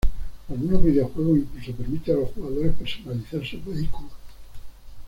Algunos videojuegos incluso permiten a los jugadores personalizar sus vehículos.